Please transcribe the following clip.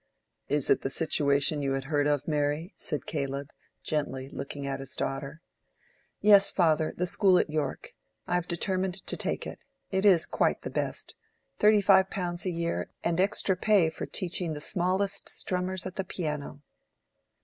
"Is it the situation you had heard of, Mary?" said Caleb, gently, looking at his daughter. "Yes, father: the school at York. I have determined to take it. It is quite the best. Thirty five pounds a year, and extra pay for teaching the smallest strummers at the piano."